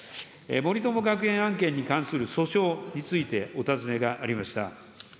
森友学園案件に関する訴訟について、お尋ねがありました。